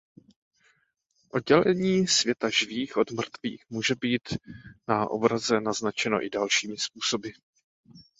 Oddělení světa živých od mrtvých může být na obraze naznačeno i dalšími způsoby.